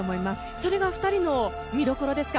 それが２人の見どころですか。